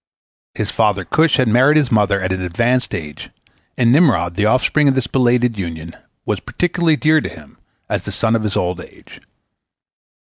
His father Cush had married his mother at an advanced age, and Nimrod, the offspring of this belated union, was particularly dear to him as the son of his old age.